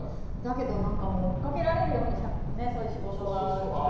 追っかけられるようにそういう仕事が。